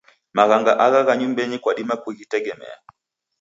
Maghanga agha gha nyumbenyi kwadima kughitegemea.